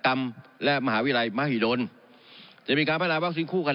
องค์การพยันอสฯและมหาวิทยาลัยมหิดลจะมีการพันธุ์นาวัคซีนคู่ขนาน